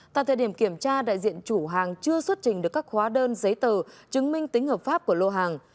tại thời điểm kiểm tra đại diện chủ hàng chưa xuất trình được các hóa đơn giấy tờ chứng minh tính hợp pháp của lô hàng